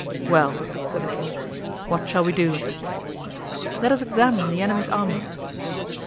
"Well!" said the king, "what shall we do?" "Let us examine the enemy's army."